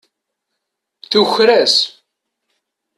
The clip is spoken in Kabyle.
Tuker-as.